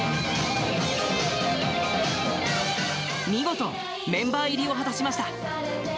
見事メンバー入りを果たしました。